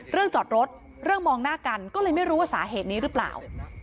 จอดรถเรื่องมองหน้ากันก็เลยไม่รู้ว่าสาเหตุนี้หรือเปล่า